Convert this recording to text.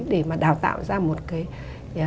để mà đào tạo ra một cái